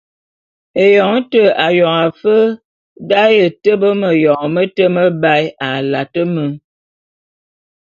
Éyoň té ayong afe d’aye tebe méyoñ mete mebae a late me.